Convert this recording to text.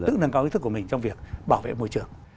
tự nâng cao ý thức của mình trong việc bảo vệ môi trường